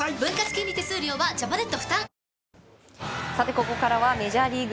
ここからはメジャーリーグ。